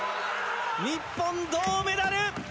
日本、銅メダル！